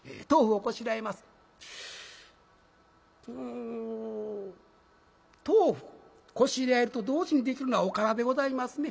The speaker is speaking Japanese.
お豆腐こしらえると同時にできるのはおからでございますね。